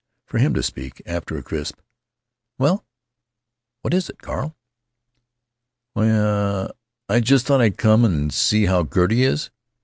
—for him to speak, after a crisp: "Well? What is it, Carl?" "Why, uh, I just thought I'd come and see how Gertie is."